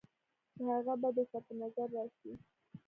چې هغه بد ورته پۀ نظر راشي،